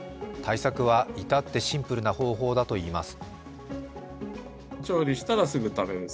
対策は至ってシンプルな方法だといいます。